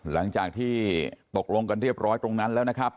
หลังจากที่ตกลงกันเรียบร้อยตรงนั้นแล้วนะครับ